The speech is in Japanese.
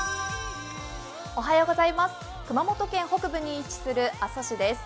熊本県北部に位置する阿蘇市です。